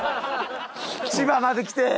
千葉まで来て！